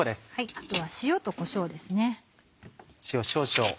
あとは塩とこしょうですね。